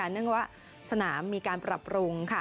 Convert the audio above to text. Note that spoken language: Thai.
เนื่องว่าสนามมีการปรับปรุง